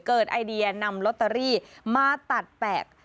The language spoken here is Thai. ไอเดียนำลอตเตอรี่มาตัดแปลก